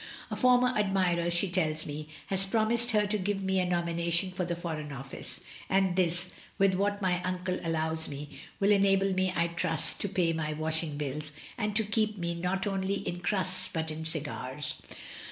A former admirer, she tells me, has promised her to give me a nomination for the Foreign Office, and this, with what my uncle allows me, will enable me, I trust, to pay my washing bills, and keep me not only in crusts but in cigars.